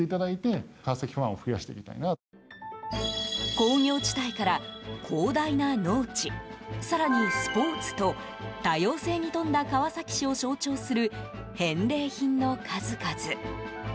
工業地帯から広大な農地更にスポーツと多様性に富んだ川崎市を象徴する返礼品の数々。